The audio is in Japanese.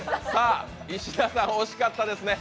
石田さん、惜しかったですね。